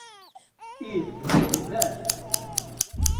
Ih, iban.